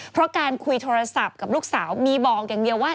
เพราะการคุยโทรศัพท์กับลูกสาวมีบอกอย่างเดียวว่า